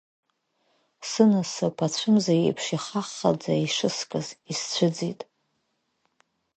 Сынасыԥ ацәымза еиԥш иххаӡа ишыскыз исцәыӡит.